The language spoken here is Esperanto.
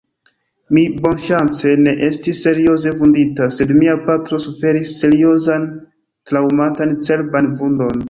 Mi bonŝance ne estis serioze vundita, sed mia patro suferis seriozan traŭmatan cerban vundon.